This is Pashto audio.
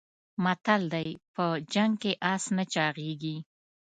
متل دی: په جنګ کې اس نه چاغېږي.